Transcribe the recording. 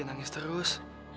udah nangis terus